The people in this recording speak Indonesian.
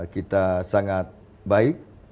kita sangat baik